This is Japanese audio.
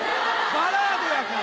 バラードやから。